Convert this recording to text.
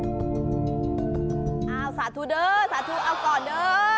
เอาสาธุเด้อสาธุเอาก่อนเด้อ